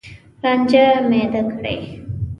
رانجه میده کړي